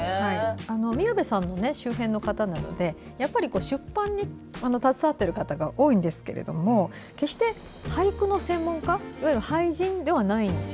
宮部さんの周辺の方なのでやっぱり出版に携わっている方が多いんですが決して、俳句の専門家俳人というわけではないんです。